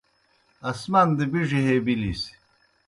آسمان دہ بِڙیْ ہے بِلِس۔